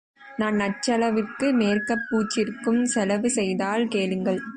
நான் அச்செலவிற்கு மேக்கப் பூச்சிற்குச் செலவு செய்தால் கேளுங்கள்.